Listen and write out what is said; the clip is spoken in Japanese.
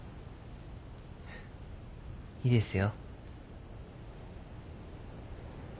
いいですよ。